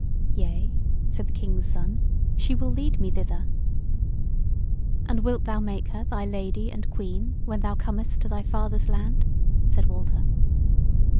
"Yea," said the King's Son; "she will lead me thither." "And wilt thou make her thy lady and queen when thou comest to thy father's land?" said Walter.